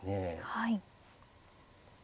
はい。